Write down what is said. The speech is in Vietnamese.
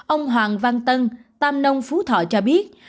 ông hoàng văn tân tam nông phú thọ cho biết